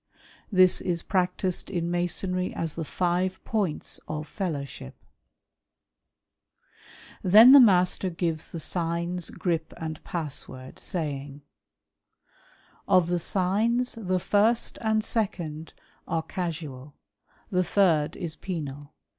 '' This is practised in Masonry as the five points of Fellowship." FREEMASONRY WITH OURSELVES. 131 Then the Master gives the signs, grip, and pass word, saying :'^ Of the signs, the first and second are casual, the third is " penal.